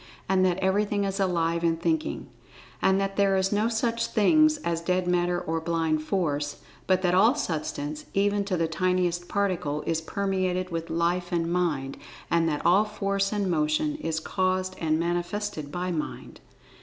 And that "Everything is Alive and Thinking." And that there is no such things as "Dead Matter," or "Blind Force," but that all Substance, even to the tiniest Particle, is permeated with Life and Mind, and that all Force and Motion is caused and manifested by Mind.